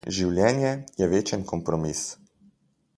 Življenje je večen kompromis.